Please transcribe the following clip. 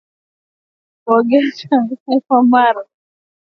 Kudhibiti kupe kwa kuogesha mifugo mara kwa mara